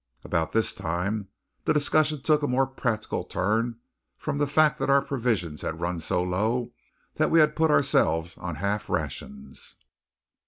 About this time the discussion took a more practical turn from the fact that our provisions had run so low that we had put ourselves on half rations.